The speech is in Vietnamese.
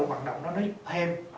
vận động nó thêm